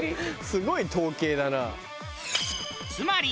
すごい統計だな。